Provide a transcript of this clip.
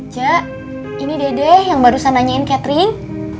cak ini deh yang barusan nanyain catering